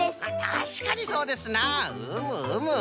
たしかにそうですなうむうむ。